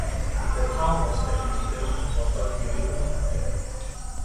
The town was strategically important during the conflict.